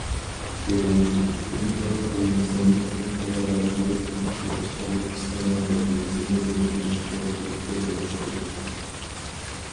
بىرىنچى، ئىمپورت قۇرۇلمىسىنى ئەلالاشتۇرۇپ، ئىشلەپچىقىرىش، ئىستېمال دەرىجىسىنى ئۆستۈرۈشكە تۈرتكە بولۇش كېرەك.